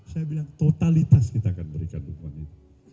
saya bilang totalitas kita akan berikan dukungan itu